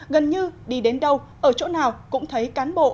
gần như đi đến đâu ở chỗ nào cũng thấy cán bộ